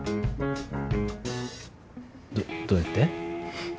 どどうやって？